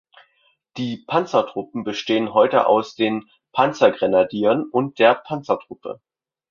Die Panzertruppen bestehen heute aus den Panzergrenadieren und der Panzertruppe.